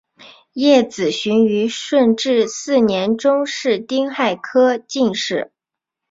叶子循于顺治四年中式丁亥科进士。